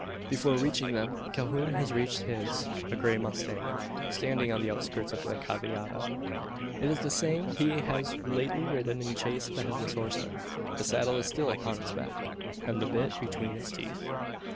Before reaching them, Calhoun has reached his a grey mustang, standing on the outskirts of the cavallada. It is the same he has lately ridden in chase of the Headless Horseman. The saddle is still upon its back, and the bitt between its teeth.